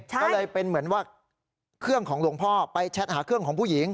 ก็เลยเป็นเหมือนว่าเครื่องของหลวงพ่อไปแชทหาเครื่องของผู้หญิง